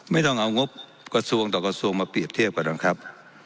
ไม่ต้องเอางบกระทรวงต่อกระทรวงมาเปรียบเทียบกันหรอกครับ